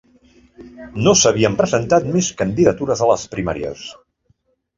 No s’havien presentat més candidatures a les primàries.